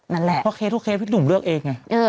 นั่นแหละเพราะเคสทุกเคสพี่หนุ่มเลือกเองไง